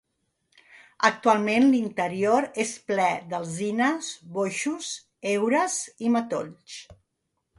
Actualment l'interior és ple d'alzines, boixos, heures i matolls.